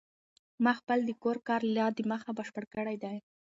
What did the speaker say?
ما خپل د کور کار لا د مخه بشپړ کړی دی.